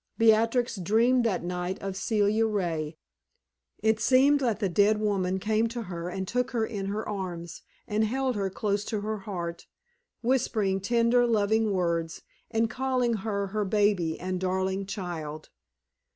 Beatrix dreamed that night of Celia Ray. It seemed that the dead woman came to her and took her in her arms, and held her close to her heart, whispering tender, loving words, and calling her her baby and darling child.